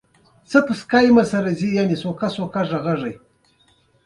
ګناه کوچنۍ مه ګڼئ، الله ستر دی.